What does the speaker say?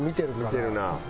見てるな。